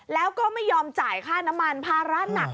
แล้วก็ไม่ยอมจ่ายค่าน้ำมันภาระหนัก